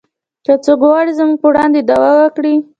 که څوک وغواړي زموږ په وړاندې دعوه وکړي